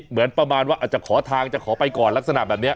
เหมือนประมาณว่าอาจจะขอทางจะขอไปก่อนลักษณะแบบนี้